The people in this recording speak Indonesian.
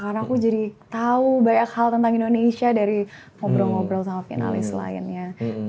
karena aku jadi tau banyak hal tentang indonesia dari ngobrol ngobrol sama finalis lainnya